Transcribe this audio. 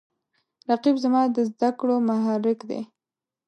رقیب زما د زده کړو محرک دی